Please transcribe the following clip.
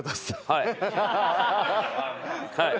はい。